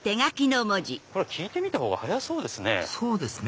聞いてみたほうが早そうですね。